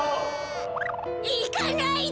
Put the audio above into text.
いかないで！